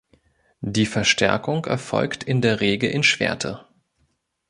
Die Verstärkung erfolgt in der Regel in Schwerte.